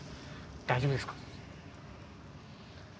大丈夫ですか？